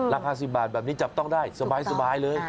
ราคา๑๐บาทแบบนี้จับต้องได้สบายเลย